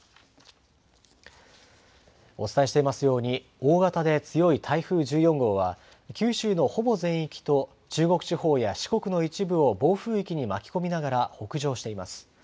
お伝えしていますように、大型で強い台風１４号は、九州のほぼ全域と中国地方や四国の一部を暴風域に巻き込みながら、北上しています。